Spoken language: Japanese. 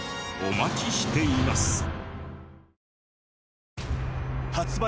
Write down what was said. お待ちしています。